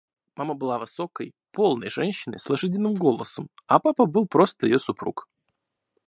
Мама была высокой, полной женщиной с лошадиным голосом, а папа был просто её супруг.